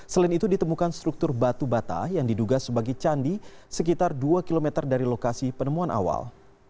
selain itu ditemukan struktur batu bata yang diduga sebagai candi sekitar dua km dari lokasi penemuan awal